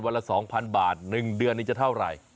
วันละ๒๐๐๐บาทหนึ่งเดือนนี้จะเท่าไร